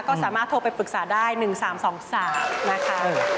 ก็สามารถโทรไปปรึกษาได้๑๓๒๓นะคะ